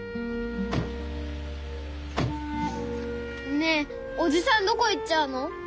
ねえおじさんどこ行っちゃうの？